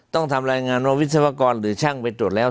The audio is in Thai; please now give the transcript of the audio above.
ต้องทำรายงานว่าวิศวกรหรือช่างไปตรวจแล้ว